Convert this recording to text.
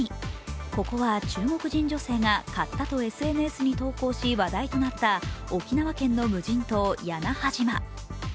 ここは中国人女性が買ったとＳＮＳに投稿し話題となった沖縄県の無人島屋那覇島。